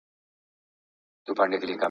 که فساد وي نو ژوند به سخت وي.